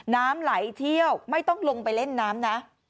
น้ำไหลเที่ยวไม่ต้องลงไปเล่นน้ำนะ